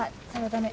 駄目。